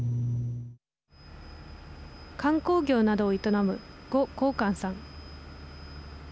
観光業などを営む呉洪官さん。